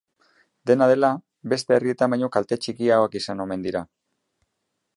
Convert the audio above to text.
Dena dela, beste herrietan baino kalte txikiagoak izan omen dira.